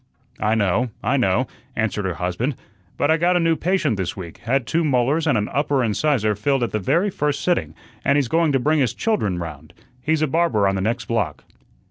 "I know, I know," answered her husband. "But I got a new patient this week, had two molars and an upper incisor filled at the very first sitting, and he's going to bring his children round. He's a barber on the next block."